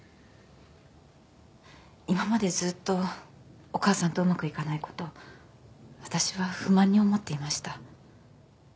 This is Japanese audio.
今までずっとお母さんとうまくいかないことわたしは不満に思っていました。